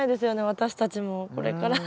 私たちもこれからね。